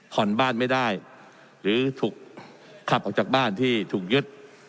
ผ่อนบ้านไม่ได้หรือถูกขับออกจากบ้านที่ถูกยึด